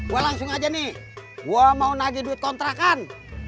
gue langsung aja nih gue mau nagih duit kontrakan